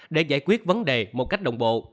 để giải quyết vấn đề một cách đồng bộ